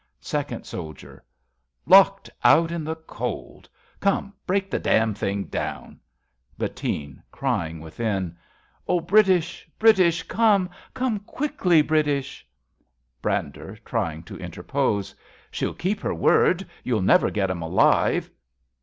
Second Soldier. Locked out in the cold. Come, break the damned thing down ! Bettine {crying ivithin). O British ! British ! Come ! Come quickly, British ! Brander (trying to interpose). She'll keep her word. You'll never get 'em alive.